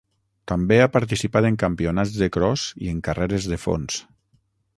També ha participat en campionats de cros i en carreres de fons.